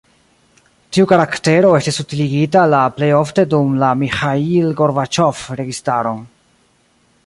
Tiu karaktero estis utiligita la plejofte dum la Miĥail Gorbaĉov registaron.